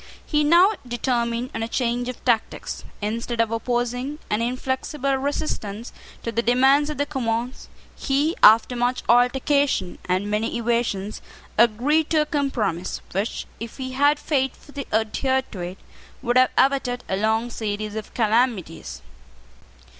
He now determined on a change of tactics. Instead of opposing an inflexible resistance to the demands of the Commons, he, after much altercation and many evasions, agreed to a compromise which, if he had faithfully adhered to it, would have averted a long series of calamities.